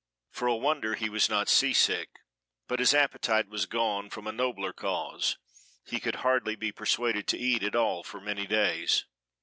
For a wonder he was not sea sick, but his appetite was gone from a nobler cause; he could hardly be persuaded to eat at all for many days.